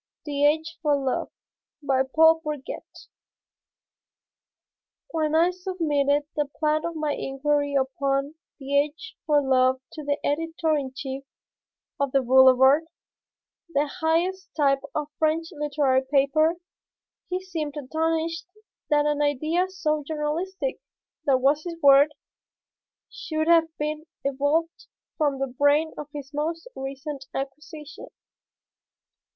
THE AGE FOR LOVE BY PAUL BOURGET When I submitted the plan of my Inquiry Upon the Age for Love to the editor in chief of the Boulevard, the highest type of French literary paper, he seemed astonished that an idea so journalistic that was his word should have been evolved from the brain of his most recent acquisition.